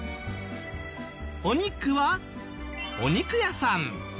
お肉はお肉屋さん。